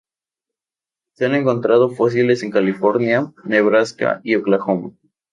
Se han encontrado fósiles en California, Nebraska y Oklahoma.